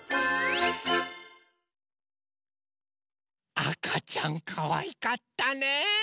あかちゃんかわいかったね。